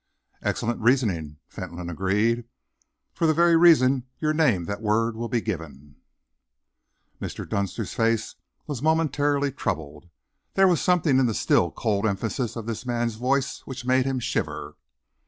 "Excellent reasoning," Fentolin agreed. "For the very reasons you name that word will be given." Mr. Dunster's face was momentarily troubled. There was something in the still, cold emphasis of this man's voice which made him shiver.